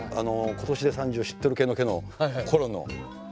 「今年で３０知っとるケのケ」のころの。